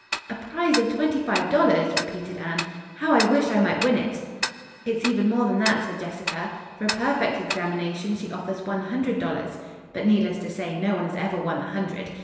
"A prize of twenty five dollars," repeated Anne. "How I wish I might win it!" "It's even more than that," said Jessica. "For a perfect examination she offers one hundred dollars. But, needless to say, no one has ever won the hundred.